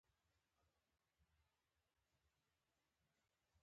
بیا دې یې په ټولګي کې ووايي.